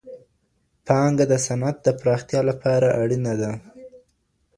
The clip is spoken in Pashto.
پانګه د صنعت د پراختيا لپاره اړينه ده.